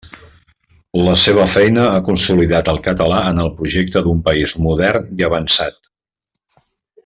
La seva feina ha consolidat el català en el projecte d'un país modern i avançat.